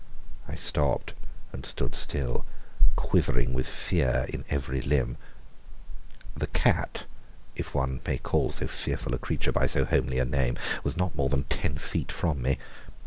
I stopped and stood still, quivering with fear in every limb. The cat (if one may call so fearful a creature by so homely a name) was not more than ten feet from me.